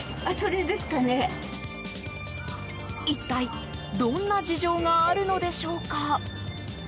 一体、どんな事情があるのでしょうか。